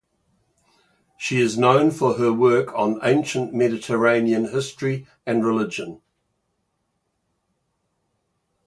She is known for her work on ancient Mediterranean history and religion.